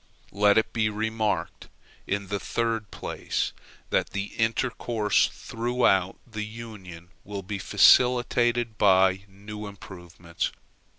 Let it be remarked, in the third place, that the intercourse throughout the Union will be facilitated by new improvements.